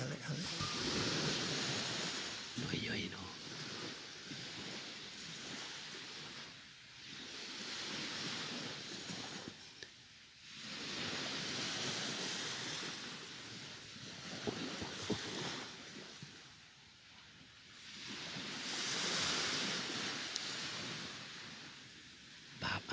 เยอะมาก